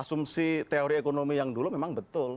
asumsi teori ekonomi yang dulu memang betul